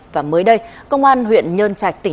và mới đây công an huyện nhơn trạch tỉnh đồng nai đã phát hiện